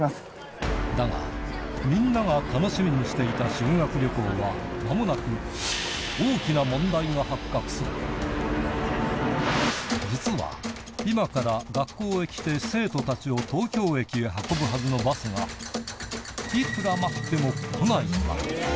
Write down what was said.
だがみんなが楽しみにしていた修学旅行は間もなくが発覚する実は今から学校へ来て生徒たちを東京駅へ運ぶはずのバスがいくら待っても来ないのだ